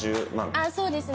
あっそうですね。